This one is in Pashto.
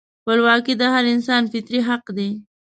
خپلواکي د هر انسان فطري حق دی.